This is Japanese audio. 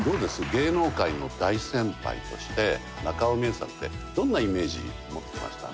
芸能界の大先輩として中尾ミエさんってどんなイメージ持ってました？